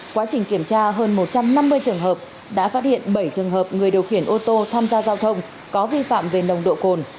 quá trình kiểm tra hơn một trăm năm mươi trường hợp đã phát hiện bảy trường hợp người điều khiển ô tô tham gia giao thông có vi phạm về nồng độ cồn